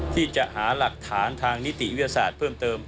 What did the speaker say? ที่จะหาหลักฐานทางนิติวิทยาศาสตร์เพิ่มเติม